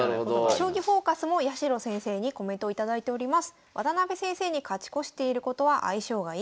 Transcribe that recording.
「将棋フォーカス」も八代先生にコメントを頂いております。ということです。